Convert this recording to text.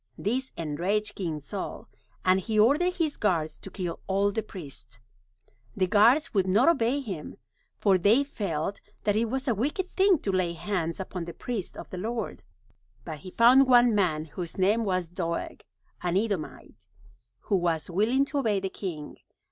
This enraged King Saul, and he ordered his guards to kill all the priests. The guards would not obey him, for they felt that it was a wicked thing to lay hands upon the priests of the Lord. But he found one man whose name was Doeg, an Edomite, who was willing to obey the king.